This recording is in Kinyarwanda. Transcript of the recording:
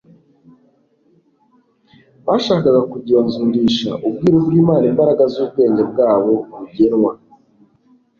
Bashakaga kugenzurisha ubwiru bw'Imana imbaraga z'ubwenge bwabo bugenwa.